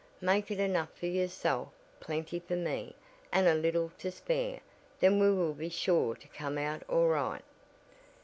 "Make it enough for yourself, plenty for me, and a little to spare. Then we will be sure to come out all right."